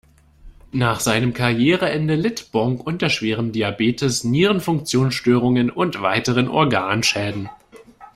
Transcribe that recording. Nach seinem Karriereende litt Bonk unter schwerem Diabetes, Nierenfunktionsstörungen und weiteren Organschäden.